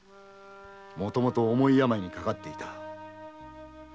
もともと重い病にかかっていた。